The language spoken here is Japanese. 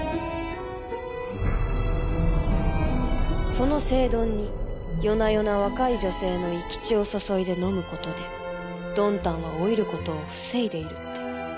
その聖丼に夜な夜な若い女性の生き血を注いで飲む事でドンタンは老いる事を防いでいるって。